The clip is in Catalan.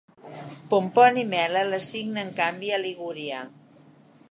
Pomponi Mela l'assigna en canvi a Ligúria.